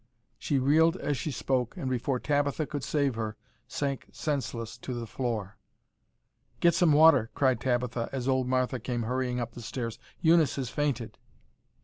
She reeled as she spoke, and before Tabitha could save her, sank senseless to the floor. "Get some water," cried Tabitha, as old Martha came hurrying up the stairs, "Eunice has fainted."